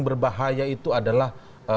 berbahaya itu adalah